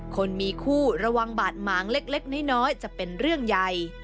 คนมีคู่ระวังบาดหมางเล็กน้อยจะเป็นเรื่องใหญ่